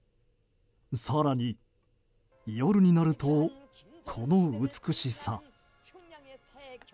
更に夜になると、この美しさ。